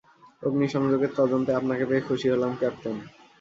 অগ্নিসংযোগের তদন্তে আপনাকে পেয়ে খুশি হলাম ক্যাপ্টেন।